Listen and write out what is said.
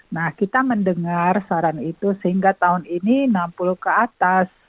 nah kita mendengar saran itu sehingga tahun ini enam puluh ke atas